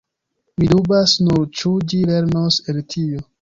Mi dubas nur, ĉu ĝi lernos el tio.